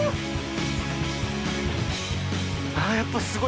あやっぱすごい。